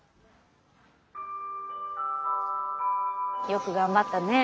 よく頑張ったね。